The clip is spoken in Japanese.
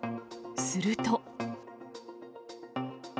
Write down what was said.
すると。